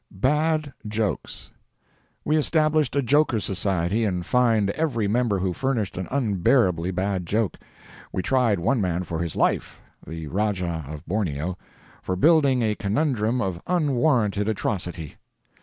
Bad Jokes. We established a Jokers' Society and fined every member who furnished an unbearably bad joke.—We tried one man for his life (the Rajah of Borneo) for building a conundrum of unwarranted atrocity.